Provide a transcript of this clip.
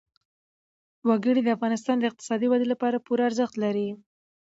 وګړي د افغانستان د اقتصادي ودې لپاره پوره ارزښت لري.